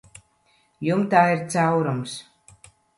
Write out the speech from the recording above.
Jumtā ir caurums.